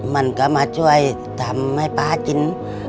มันก็มาช่วยทำให้ป๊ากิน